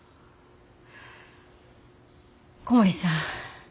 小森さん。